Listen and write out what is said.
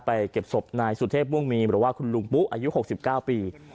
เก็บศพนายสุเทพม่วงมีหรือว่าคุณลุงปุ๊อายุ๖๙ปี